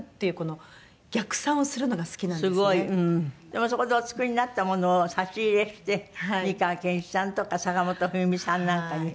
でもそこでお作りになったものを差し入れして美川憲一さんとか坂本冬美さんなんかに。